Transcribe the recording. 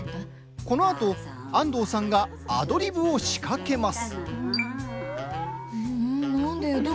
このあと、安藤さんがアドリブを仕掛けます。